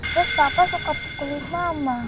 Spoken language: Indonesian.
terus papa suka pukulin mama